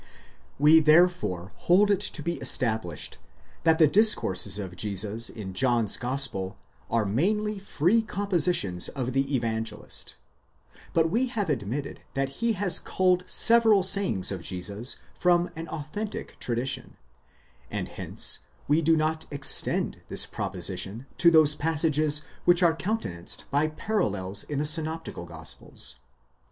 We therefore hold it to be established, that the discourses of Jesus in John's gospel are mainly free compositions of the Evangelist ; but we have admitted that he has culled several sayings of Jesus from an authentic tradition, and hence we do not extend this proposition to those passages which are counte nanced by parallels in the synoptical gospels.